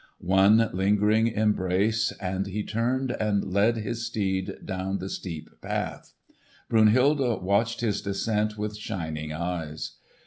One lingering embrace, and he turned and led his steed down the steep path. Brunhilde watched his descent with shining eyes.